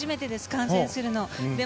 観戦するの。